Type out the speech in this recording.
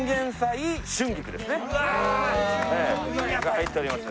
入っております。